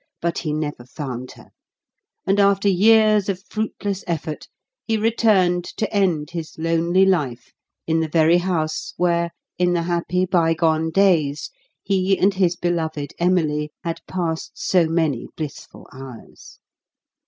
But he never found her, and, after years of fruitless effort, he returned to end his lonely life in the very house where, in the happy bygone days, he and his beloved Emily had passed so many blissful hours.